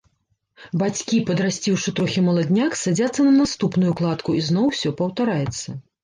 Бацькі, падрасціўшы трохі маладняк, садзяцца на наступную кладку, і зноў усё паўтараецца.